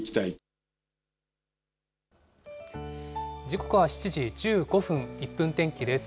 時刻は７時１５分、１分天気です。